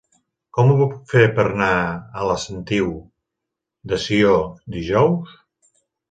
Com ho puc fer per anar a la Sentiu de Sió dijous?